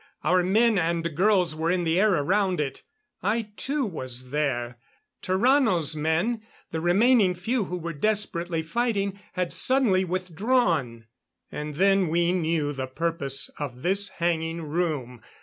Our men and girls were in the air around it. I too was there. Tarrano's men the remaining few who were desperately fighting had suddenly withdrawn. And then we knew the purpose of this hanging room.